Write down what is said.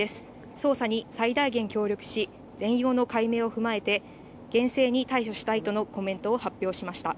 捜査に最大限協力し、全容の解明を踏まえて厳正に対処したいとのコメントを発表しました。